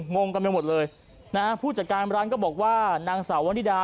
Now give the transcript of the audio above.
งงกันไปหมดเลยนะฮะผู้จัดการร้านก็บอกว่านางสาววันนิดา